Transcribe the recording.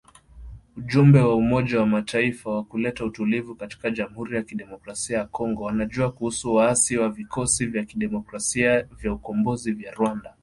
Ujumbe wa Umoja wa Mataifa wa kuleta utulivu katika Jamhuri ya Kidemokrasia ya Kongo wanajua kuhusu waasi wa Vikosi vya Kidemokrasia vya Ukombozi wa Rwanda kuwa ndani ya jeshi la Jamhuri ya kidemokrasia ya Kongo.